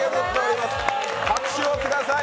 拍手をください！